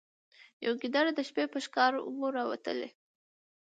یو ګیدړ د شپې په ښکار وو راوتلی